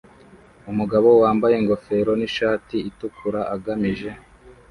Umugabo wambaye ingofero nishati itukura agamije